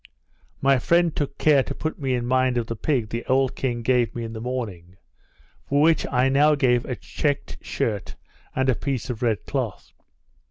My friend took care to put me in mind of the pig the old king gave me in the morning; for which I now gave a chequed shirt and a piece of red cloth.